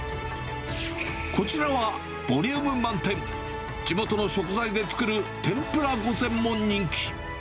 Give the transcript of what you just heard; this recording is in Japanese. こちらは、ボリューム満点、地元の食材で作る天ぷら御膳も人気。